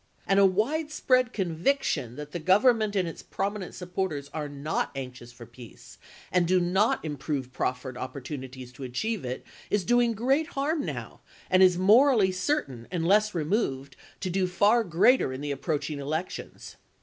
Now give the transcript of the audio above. And a wide spread conviction that the Government and its prominent supporters are not anxious for peace, and do not improve proffered opportunities to achieve it, is doing great harm now, and is morally certain, unless removed, to do far greater in the approaching elections."